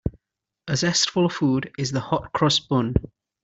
A zestful food is the hot-cross bun.